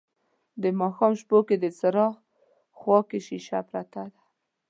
د ماښام شپو کې د څراغ خواکې شیشه پرته ده